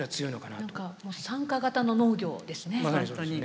なんかもう参加型の農業ですね。